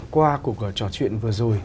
qua cuộc trò chuyện vừa rồi